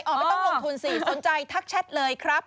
ไม่ต้องลงทุนสิสนใจทักแชทเลยครับ